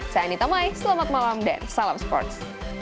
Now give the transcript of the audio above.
saya anita mai selamat malam dan salam sports